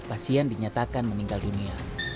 pasien dinyatakan meninggal dunia